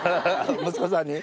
息子さんに？